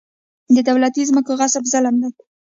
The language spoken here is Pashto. د دولتي ځمکو غصب ظلم دی.